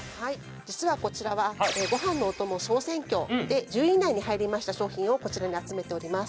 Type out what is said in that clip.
実はこちらはごはんのおとも総選挙で１０位以内に入りました商品をこちらに集めております